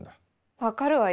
分かるわよ。